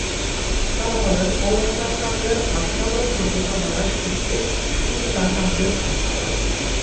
তাঁরা বলেন, অলঙ্কার কাব্যের আস্বাদন-যোগ্যতা বাড়ায় সত্য, কিন্তু তা কাব্যের আত্মা নয়।